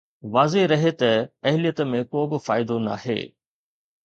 واضح رهي ته اهليت ۾ ڪو به فائدو ناهي